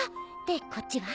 でこっちは。